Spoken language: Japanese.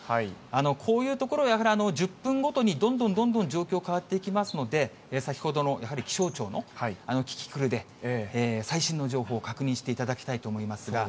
こういう所、やはり１０分ごとにどんどんどんどん状況変わっていきますので、先ほどのやはり気象庁のキキクルで、最新の情報を確認していただきたいと思いますが。